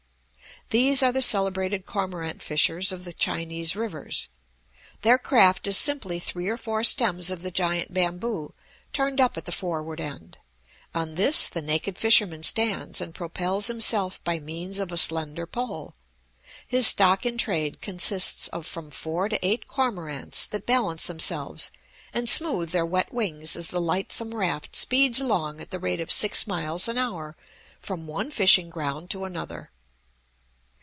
These are the celebrated cormorant fishers of the Chinese rivers. Their craft is simply three or four stems of the giant bamboo turned up at the forward end; on this the naked fisherman stands and propels himself by means of a slender pole. His stock in trade consists of from four to eight cormorants that balance themselves and smooth their wet wings as the lightsome raft speeds along at the rate of six miles an hour from one fishing ground to another.